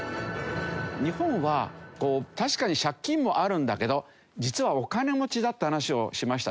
日本は確かに借金もあるんだけど実はお金持ちだって話をしましたでしょ。